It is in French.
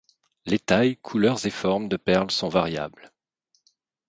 Les tailles, couleurs et formes de perles sont variables.